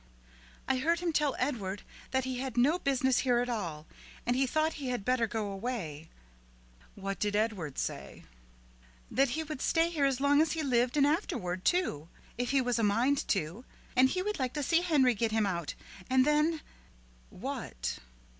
"I heard him tell Edward that he had no business here at all, and he thought he had better go away." "What did Edward say?" "That he would stay here as long as he lived and afterward, too, if he was a mind to, and he would like to see Henry get him out; and then " "What?"